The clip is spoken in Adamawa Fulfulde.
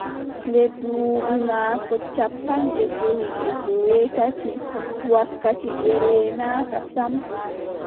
Nde duuɓi maako cappanɗe jowi e joweetati, wakkati e reenaaka sam,